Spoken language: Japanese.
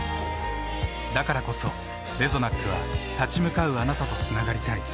だからこそレゾナックは立ち向かうあなたとつながりたい。